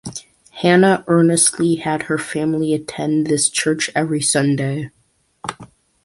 Hannah earnestly had her family attend this church every Sunday.